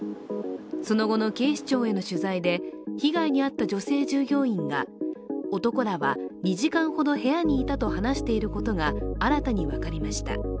その後の警視庁への取材で被害に遭った女性従業員が男らは２時間ほど部屋にいたと話していることが新たに分かりました。